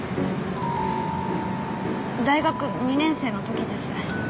大学２年生の時です。